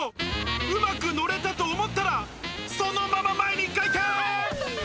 うまく乗れたと思ったら、そのまま前にがくーっ。